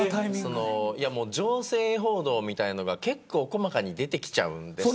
情勢報道みたいなのが結構細かに出てきちゃうんです。